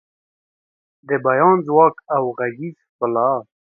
د بیان ځواک او غږیز ښکلا